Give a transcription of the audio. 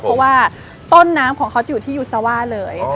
เพราะว่าต้นน้ำของเขาจะอยู่ที่ยูซาว่าเลย